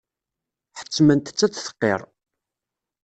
Ḥettment-tt ad d-tqirr.